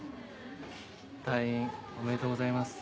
退院おめでとうございます。